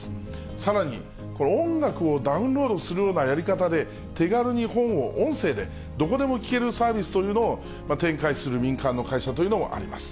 さらに、音楽をダウンロードするようなやり方で、手軽に本を音声でどこでも聞けるサービスというのを展開する民間の会社というのもあります。